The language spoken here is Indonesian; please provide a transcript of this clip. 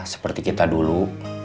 seperti kita dulu